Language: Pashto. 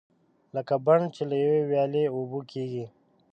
لکه بڼ چې له یوې ویالې اوبه کېږي.